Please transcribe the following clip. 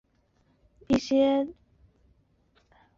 在原址上还保留了洛阳大学成人学院等一些附属设施。